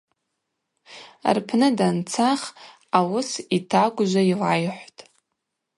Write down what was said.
Рпны данцах ауыс йтагвжва йлайхӏвтӏ.